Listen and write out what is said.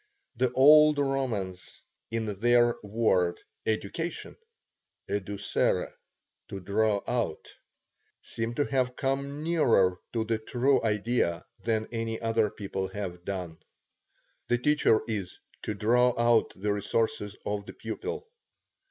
The old Romans, in their word education (educere, to draw out), seem to have come nearer to the true idea than any other people have done. The teacher is to draw out the resources of the pupil.